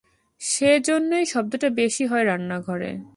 সে জন্যেই শব্দটা বেশি হয় রান্নাঘরে।